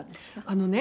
あのね